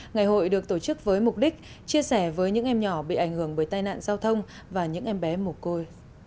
ngày hội được tổ chức với mục đích chia sẻ với những em nhỏ bị ảnh hưởng bởi tai nạn giao thông và những em bé mồ côi